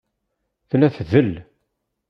Tella tdel.